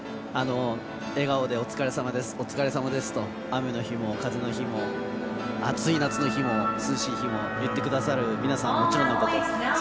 笑顔でお疲れさまですと雨の日も、風の日も暑い夏の日も涼しい日も言ってくださる皆さん、もちろんのこと